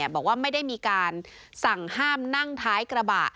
บอกว่าไม่ได้มีการสั่งห้ามนั่งท้ายกระบะ